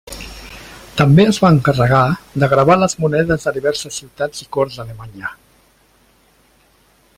També es va encarregar de gravar les monedes de diverses ciutats i corts d'Alemanya.